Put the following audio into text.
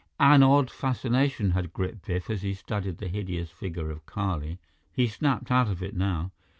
An odd fascination had gripped Biff as he studied the hideous figure of Kali. He snapped out of it now.